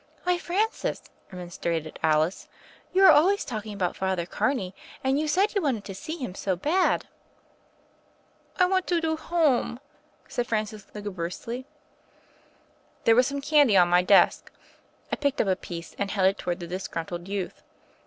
"Why, Francis," remonstrated Alice, "you are always talking about Father Carney; and you said you wanted to see him so bad." "I want to do home," said Francis lugu briously. There was some candy on my desk. I pidced up a piece, and held it toward the disgruntled youth.